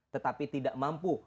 tetapi tidak mampu